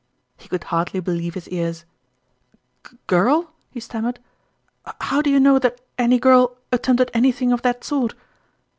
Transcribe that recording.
He could hardly believe his ears. " Girl !" he stammered. " How do you know that any girl attempted anything of that sort?"